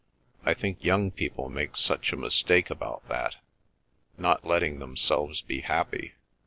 I think young people make such a mistake about that—not letting themselves be happy.